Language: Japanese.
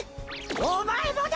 おまえもだ！